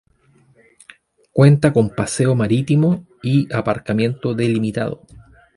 Cuenta con paseo marítimo y aparcamiento delimitado.